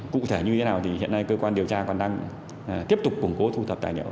cụ thể như thế nào thì hiện nay cơ quan điều tra còn đang tiếp tục củng cố thu thập tài liệu